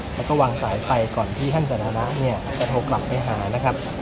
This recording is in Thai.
แล้วก็วางสายไปก่อนที่ท่านสถานะเนี่ยจะโทรกลับไปหานะครับ